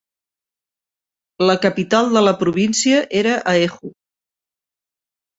La capital de la província era Haeju.